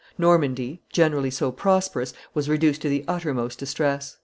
Normandy, generally so prosperous, was reduced to the uttermost distress.